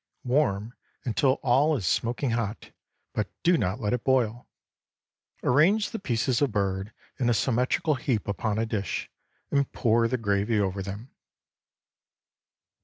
Warm until all is smoking hot, but do not let it boil. Arrange the pieces of bird in a symmetrical heap upon a dish, and pour the gravy over them.